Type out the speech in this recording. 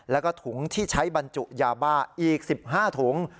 แล้วก็ถุงที่ใช้บรรจุยาบ้าอีก๑๕ถุง